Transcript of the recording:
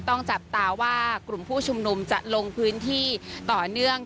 ต้องจับตาว่ากลุ่มผู้ชุมนุมจะลงพื้นที่ต่อเนื่อง